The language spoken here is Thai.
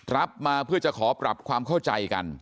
รับมาเพื่อจะขอปรับความเข้าใจกัน